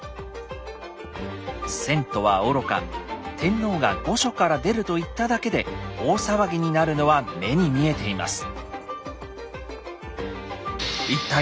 遷都はおろか天皇が御所から出ると言っただけで大騒ぎになるのは目に見えています。